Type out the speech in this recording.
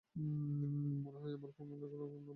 মনে হয় তোমার ফোন অনেক রঙ নাম্বারে যায়, মামা।